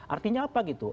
artinya apa gitu